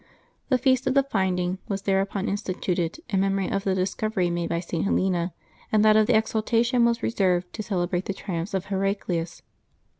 The feast of the " Finding " was thereupon instituted, in memory of the discovery made by St. Helena ; and that of the " Exaltation " was reserved to celebrate the triumphs of Heraclius.